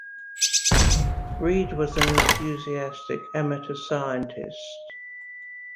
Reade was an enthusiastic amateur scientist.